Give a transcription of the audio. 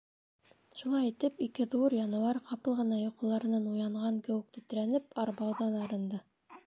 Шулай итеп, ике ҙур януар, ҡапыл ғына йоҡоларынан уянған кеүек тетрәнеп, арбауҙан арынды.